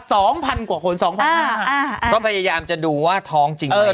สองพันกว่าคนสองพันห้าอ่าก็พยายามจะดูว่าท้องจริงไหม